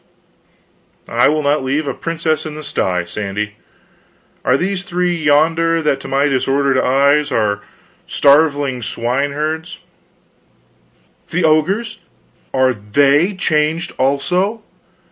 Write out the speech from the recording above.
"I will not leave a princess in the sty, Sandy. Are those three yonder that to my disordered eyes are starveling swine herds " "The ogres, Are they changed also?